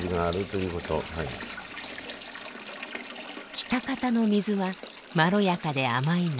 喜多方の水はまろやかで甘い軟水。